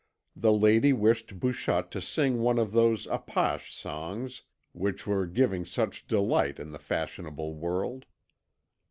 The lady wished Bouchotte to sing one of those apache songs which were giving such delight in the fashionable world.